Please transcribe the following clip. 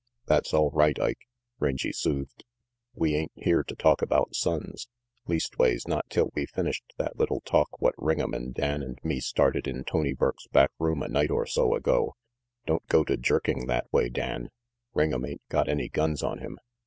"That's all right, Ike," Rangy soothed. "We ain't here to talk about Sonnes. Leastways, not till we've finished that little talk what Ring'em and Dan and me started in Tony Burke's back room a night or so ago don't go to jerking that way, Dan. Ring'em ain't got any guns on him.